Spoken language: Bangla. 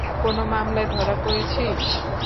কোন মামলায় ধরা পড়েছিস?